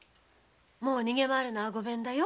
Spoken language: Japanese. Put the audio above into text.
もう逃げまわるのはごめんだよ。